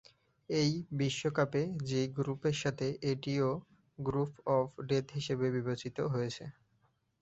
এই বিশ্বকাপে জি গ্রুপের সাথে এটিও গ্রুপ অফ ডেথ হিসেবে বিবেচিত হয়েছে।